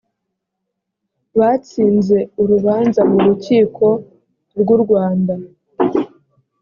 batsinze urubanza mu rukiko rw urwanda